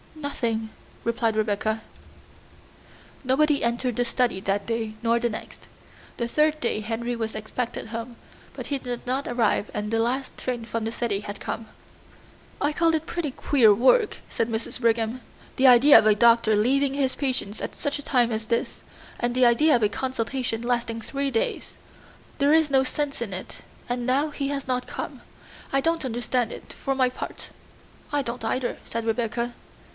"Nothing," replied Rebecca. Nobody entered the study that day, nor the next. The third day Henry was expected home, but he did not arrive and the last train from the city had come. "I call it pretty queer work," said Mrs. Brigham. "The idea of a doctor leaving his patients at such a time as this, and the idea of a consultation lasting three days! There is no sense in it, and now he has not come. I don't understand it, for my part." "I don't either," said Rebecca.